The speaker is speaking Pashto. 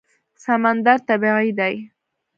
سمندر طبیعي دی.